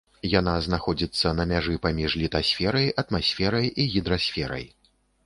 Яна знаходзіцца на мяжы паміж літасферай, атмасферай, гідрасферай.